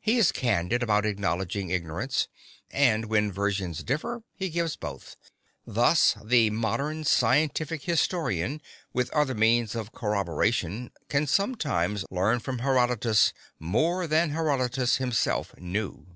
He is candid about acknowledging ignorance, and when versions differ he gives both. Thus the modern scientific historian, with other means of corroboration, can sometimes learn from Herodotus more than Herodotus himself knew.